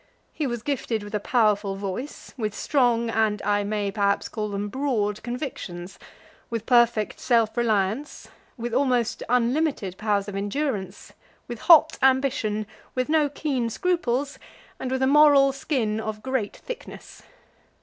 He was gifted with a powerful voice, with strong, and I may, perhaps, call them broad convictions, with perfect self reliance, with almost unlimited powers of endurance, with hot ambition, with no keen scruples, and with a moral skin of great thickness.